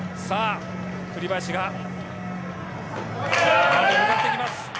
栗林がマウンドに向かっていきます。